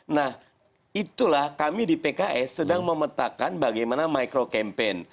nah itulah kami di pks sedang memetakan bagaimana micro campaign